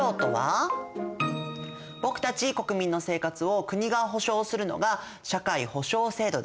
僕たち国民の生活を国が保障するのが社会保障制度です。